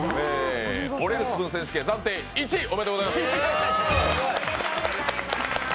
折れるスプーン選手権暫定１位、おめでとうございます。